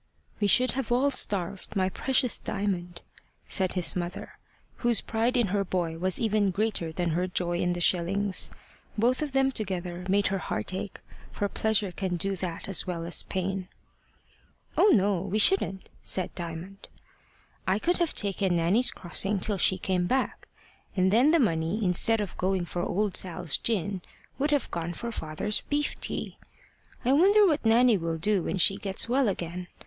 "We should have all starved, my precious Diamond," said his mother, whose pride in her boy was even greater than her joy in the shillings. Both of them together made her heart ache, for pleasure can do that as well as pain. "Oh no! we shouldn't," said Diamond. "I could have taken Nanny's crossing till she came back; and then the money, instead of going for Old Sal's gin, would have gone for father's beef tea. I wonder what Nanny will do when she gets well again.